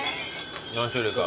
何種類か。